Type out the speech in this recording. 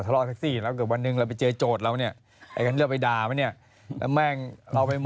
แล้วแม่งเราไปหมกแล้ากำลังเมาด้วย